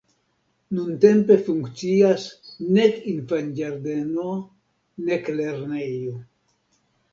Nuntempe funkcias nek infanĝardeno, nek lernejo.